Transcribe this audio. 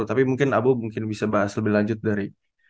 tapi mungkin abu mungkin bisa bahas lebih lanjut dari